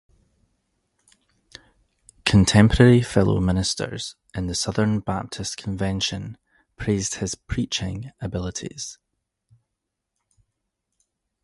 Contemporary fellow ministers in the Southern Baptist Convention praised his preaching abilities.